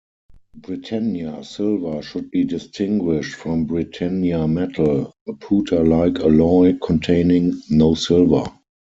Britannia silver should be distinguished from Britannia metal, a pewter-like alloy containing no silver.